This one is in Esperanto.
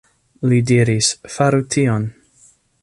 Li diris, faru tion.